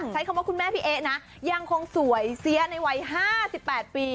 ใช้คำว่าคุณแม่พี่เอ๊ะนะยังคงสวยเสียในวัย๕๘ปี